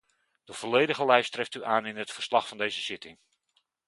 De volledige lijst treft u aan in het verslag van deze zitting.